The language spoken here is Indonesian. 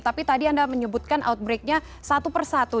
tapi tadi anda menyebutkan outbred nya satu persatu